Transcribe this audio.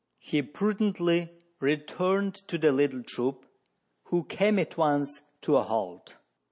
He prudently returned to the little troop, who came at once to a halt.